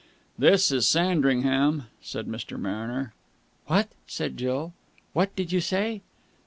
"This is Sandringham," said Mr. Mariner. "What!" said Jill. "What did you say?"